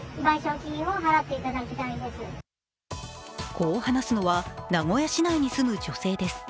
こう話すのは名古屋市内に住む女性です。